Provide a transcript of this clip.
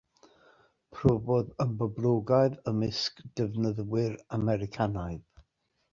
Profodd yn boblogaidd ymysg defnyddwyr Americanaidd.